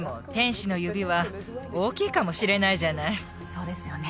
そうですよね